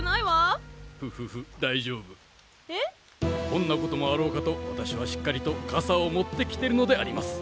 こんなこともあろうかと私はしっかりと傘を持ってきてるのであります。